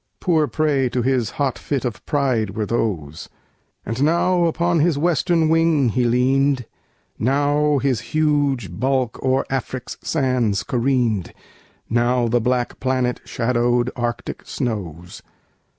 Poor prey to his hot fit of pride were those. 5 And now upon his western wing he lean'd, Now his huge bulk o'er Afric's sands careen'd, Now the black planet shadow'd Arctic snows.